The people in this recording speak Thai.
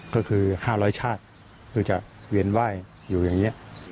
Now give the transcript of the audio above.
ก็คือ๕๐๐ชาติเพื่อจะเวียนไหว้อยู่อย่างนี้